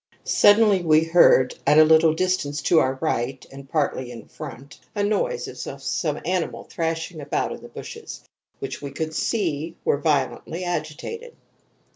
Suddenly, we heard, at a little distance to our right, and partly in front, a noise as of some animal thrashing about in the bushes, which we could see were violently agitated.